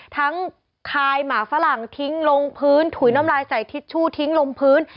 ทุยน้ำลายใส่ทิชชู่ทิ้งลงพื้น